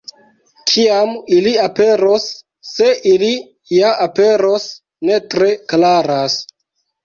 Kiam ili aperos, se ili ja aperos, ne tre klaras.